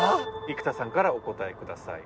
生田さんからお答えください。